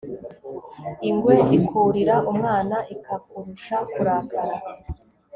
ingwe ikurira umwana ikakurusha kurakara